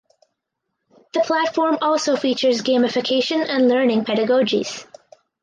The platform also features gamification and learning pedagogies.